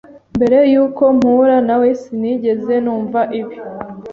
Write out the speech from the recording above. Mbere yuko mpura nawe, sinigeze numva ibi.